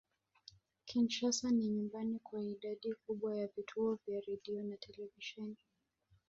Kinshasa ni nyumbani kwa idadi kubwa ya vituo vya redio na televisheni.